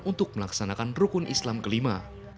untuk melaksanakan rukun islam kelima